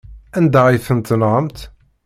Anda ay tent-tenɣamt?